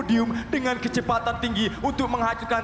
dragon satu mulai mengunjukan diialah